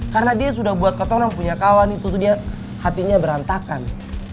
karena dia sudah buat ketonong punya kawan itu tuh dia hatinya berantakan